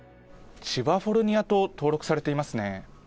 千葉フォルニアと登録されていますね。